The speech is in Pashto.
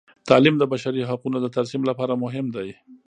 تعلیم د بشري حقونو د ترسیم لپاره مهم دی.